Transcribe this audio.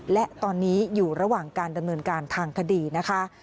และตอนนี้อยู่ระหว่างการดำเนินการทางคดีนะคะ